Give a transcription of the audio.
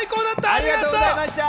ありがとう！